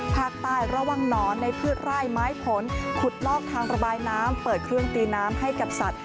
ภาคใต้ระวังหนอนในพืชไร่ไม้ผลขุดลอกทางระบายน้ำเปิดเครื่องตีน้ำให้กับสัตว